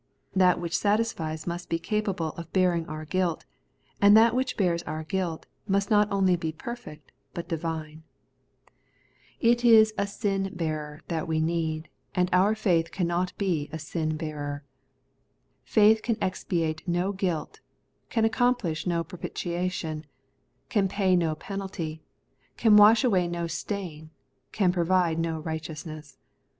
That which satisfies must be capable of bearing our guilt; and that which bears our guilt must be not only perfect, but divine. It is a 112 The Everlasting RighUousnes^ »in bearer that we need, and our faith cannot be a nin bearer. Faith can expiate no guilt; can accom plish no jiropitiation ; can pay no penalty ; can wohIi away no stain ; can provide no righteousness.